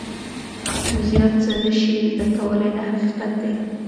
نو زیات څه نه شې زده کولای دا حقیقت دی.